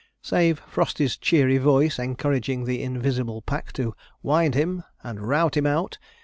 Save Frosty's cheery voice encouraging the invisible pack to 'wind him!' and 'rout him out!'